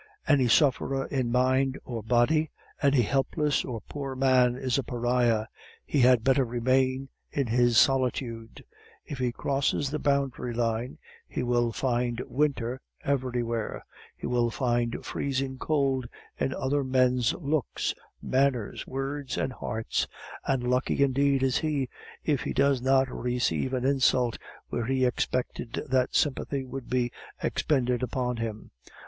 Any sufferer in mind or body, any helpless or poor man, is a pariah. He had better remain in his solitude; if he crosses the boundary line, he will find winter everywhere; he will find freezing cold in other men's looks, manners, words, and hearts; and lucky indeed is he if he does not receive an insult where he expected that sympathy would be expended upon him.